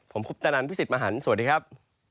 ผมคุปตะนันพี่สิทธิ์มหันฯสวัสดีครับ